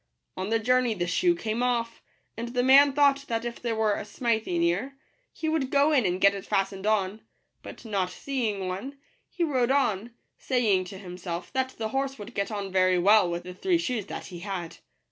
On the journey the shoe came off; and the man thought that if there were a smithy near, he would go in and get it fastened on ; but not seeing one, he rode on, saying to himself, that the horse would get on very well with the three shoes that he had.